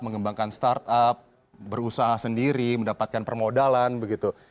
mengembangkan startup berusaha sendiri mendapatkan permodalan begitu